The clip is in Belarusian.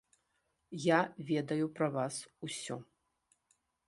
Я ведаю пра вас усё.